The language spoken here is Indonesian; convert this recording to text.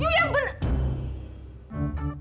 you yang bener